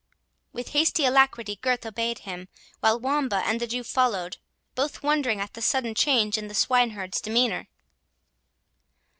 With hasty alacrity Gurth obeyed him, while Wamba and the Jew followed, both wondering at the sudden change in the swineherd's demeanour.